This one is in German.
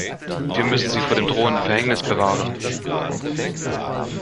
Wir müssen sie vor dem drohenden Verhängnis bewahren.